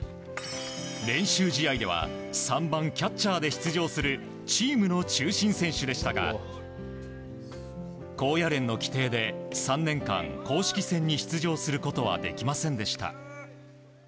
練習試合では３番キャッチャーで出場するチームの中心選手でしたが高野連の規定で３年間公式戦に出場することはできませんでした。